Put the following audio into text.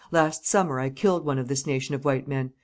Last summer I killed one of this nation of white men.